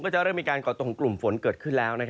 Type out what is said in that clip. ก็จะเริ่มมีการกดตรงกลุ่มฝนเกิดขึ้นแล้ว